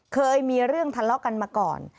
เคยมีเรื่องทะเลาะกันมาก่อน